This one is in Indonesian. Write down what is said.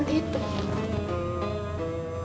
benda yang terlihat